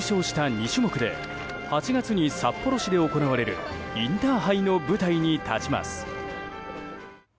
２種目で８月に札幌市で行われるインターハイの舞台に立ちます。